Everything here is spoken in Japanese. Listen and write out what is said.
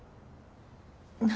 何？